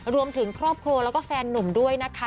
รวมถึงครอบครัวแล้วก็แฟนหนุ่มด้วยนะคะ